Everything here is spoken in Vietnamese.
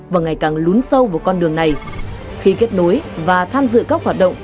và ngày càng lún sâu vào con đường này khi kết nối và tham dự các hoạt động